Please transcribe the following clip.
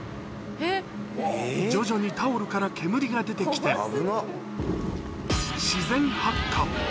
徐々にタオルから煙が出てきて、自然発火。